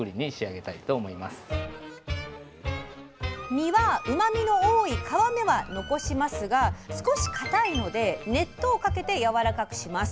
身はうまみの多い皮目は残しますが少しかたいので熱湯をかけてやわらかくします。